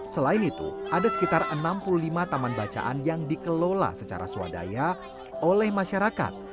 selain itu ada sekitar enam puluh lima taman bacaan yang dikelola secara swadaya oleh masyarakat